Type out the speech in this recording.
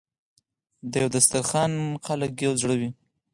د یو دسترخان خلک یو زړه وي.